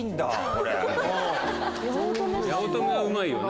八乙女はうまいよね。